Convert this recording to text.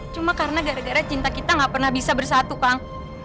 cuma karena gara gara cinta kita gak pernah bisa bersatu kang